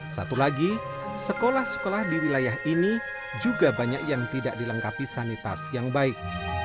satu lagi sekolah sekolah di wilayah ini juga banyak yang tidak dilengkapi sanitasi yang baik